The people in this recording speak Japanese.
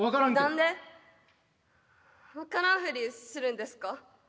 何で分からんふりするんですか？